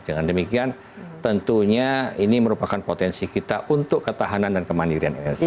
dengan demikian tentunya ini merupakan potensi kita untuk ketahanan dan kemandirian energi